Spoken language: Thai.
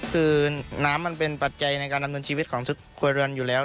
คือน้ำมันเป็นปัจจัยในการดำเนินชีวิตของชุดครัวเรือนอยู่แล้ว